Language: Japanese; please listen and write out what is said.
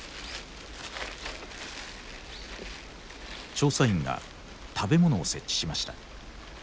調査員が食べ物を設置しました。